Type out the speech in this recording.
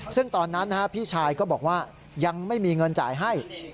ซึ่งตอนนั้นพี่ชายก็บอกว่ายังไม่มีเงินจ่ายให้